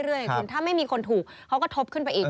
ถ้าไม่มีคนถูกเขาก็ทบขึ้นไปอีก